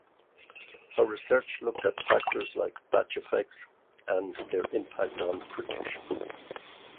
Her research looked at factors like batch effects and their impact on prediction.